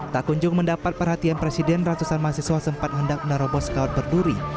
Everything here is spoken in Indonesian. tak kunjung mendapat perhatian presiden ratusan mahasiswa sempat hendak menerobos kawat berduri